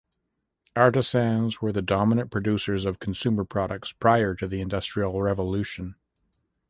Artisans were the dominant producers of consumer products prior to the Industrial Revolution.